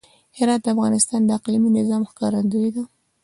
هرات د افغانستان د اقلیمي نظام ښکارندوی ده.